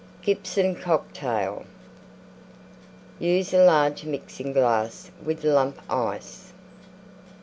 GIBSON COCKTAIL Use a large Mixing glass with Lump Ice.